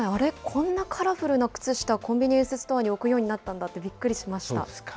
こんなカラフルな靴下、コンビニエンスストアに置くようになったんだって、びそうですか。